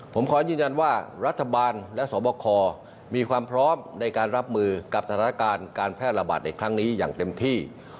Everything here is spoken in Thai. ผมขอยืนยันว่ารัฐบาลและสวบคมีความพร้อมในการรับมือกับสถานการณ์การแพร่ระบาดในครั้งนี้อย่างเต็มที่